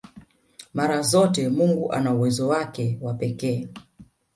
Mara zote Mungu ana uwezo wake wa pekee